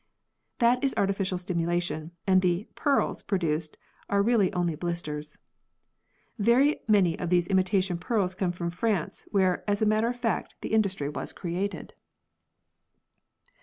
That is artificial stimulation, and the "pearls" produced are eally on ly "blisters." Very many of these imitation pearls come from France, where, as a matter of fact, the industry was created.